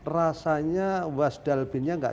rasanya wasdalbinnya tidak jalan